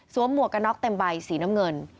หมวกกระน็อกเต็มใบสีน้ำเงิน